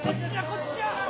こっちじゃ！